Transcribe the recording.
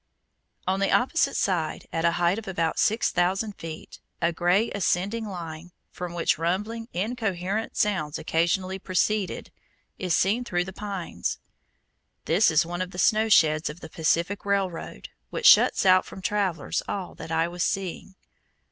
On the opposite side, at a height of about 6,000 feet, a grey, ascending line, from which rumbling, incoherent sounds occasionally proceeded, is seen through the pines. This is one of the snow sheds of the Pacific Railroad, which shuts out from travelers all that I was seeing.